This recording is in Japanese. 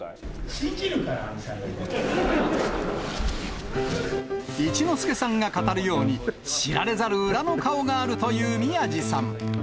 信じるから、一之輔さんが語るように、知られざる裏の顔があるという宮治さん。